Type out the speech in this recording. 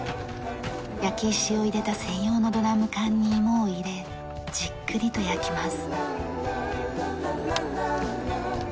焼き石を入れた専用のドラム缶に芋を入れじっくりと焼きます。